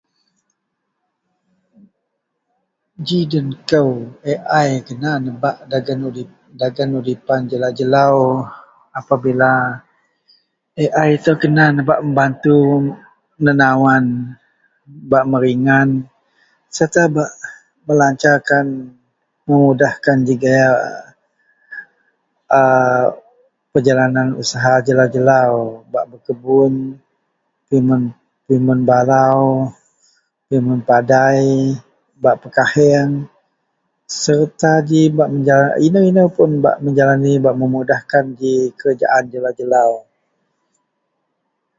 Ji den kou ai kena nebak dagen udipan jelau-jelau sebab ai ito bak membantu nenawan bak meringan melancarkan memudahkan usaha jelau-jelau pemun balau pemun padai baih yian bak menjalani inou-inou ji jelau-jelau.